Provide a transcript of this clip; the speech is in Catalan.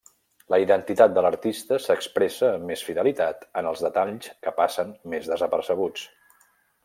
La identitat de l'artista s'expressa amb més fidelitat en els detalls que passen més desapercebuts.